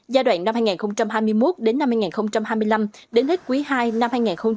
giai đoạn năm hai nghìn hai mươi một đến năm hai nghìn hai mươi năm đến hết quý ii năm hai nghìn hai mươi năm